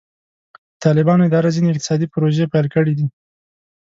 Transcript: د طالبانو اداره ځینې اقتصادي پروژې پیل کړې دي.